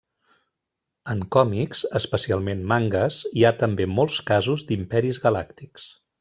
En còmics, especialment mangues, hi ha també molts casos d'imperis galàctics.